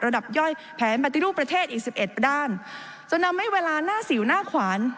ระดับย่อยแผนปฏิรูปประเทศอีก๑๑ด้านจนนำให้เวลาหน้าสิวหน้าขวาน